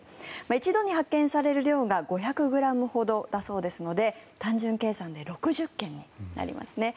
一度に発見される量が５００ｇほどだそうですので単純計算で６０件になりますね。